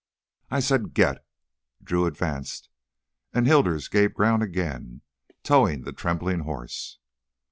"I said get!" Drew advanced, and Hilders gave ground again, towing the trembling horse.